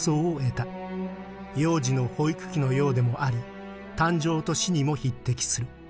幼児の保育器のようでもあり誕生と死にも匹敵する。